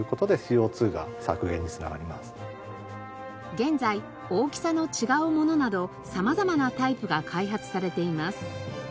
現在大きさの違うものなど様々なタイプが開発されています。